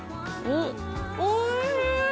おいしい！